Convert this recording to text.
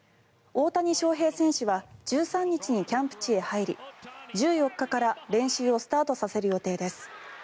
大谷翔平選手は１３日にキャンプ地へ入り１４日から練習をスタートさせる予定です。